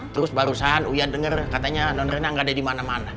terus barusan uya denger katanya non rena gak ada di mana mana